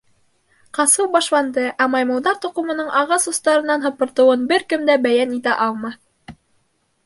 Ҡасыу башланды, ә Маймылдар Тоҡомоноң ағас остарынан һыпыртыуын бер кем дә бәйән итә алмаҫ.